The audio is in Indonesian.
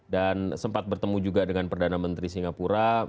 dan sempat bertemu juga dengan perdana menteri singapura